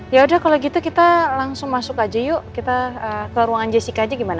yaudah kalau gitu kita langsung masuk aja yuk kita ke ruangan jessica aja gimana